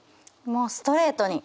もうストレートに。